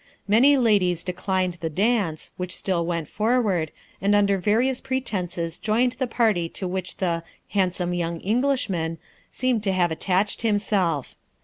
Many ladies declined the dance, which still went forward, and under various pretences joined the party to which the 'handsome young Englishman' seemed to have attached himself.